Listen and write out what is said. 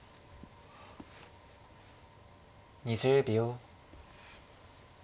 ２０秒。